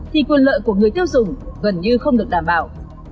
thì quyền lợi của người tiêu dùng gần như không được đảm bảo